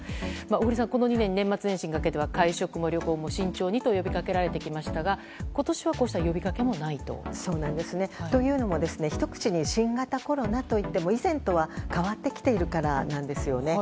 小栗さん、この２年年末年始にかけては会食も慎重にと呼びかけられてきましたが今年はこうした呼びかけもないと。というのも、ひと口に新型コロナといっても以前とは変わってきているからなんですね。